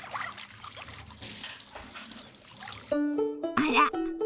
あら！